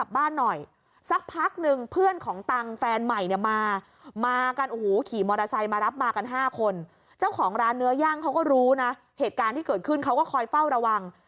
เมื่อย่างเขาก็รู้นะเหตุการณ์ที่เกิดขึ้นเขาก็คอยเฝ้าระวัง